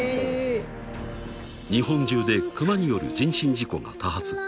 ［日本中でクマによる人身事故が多発］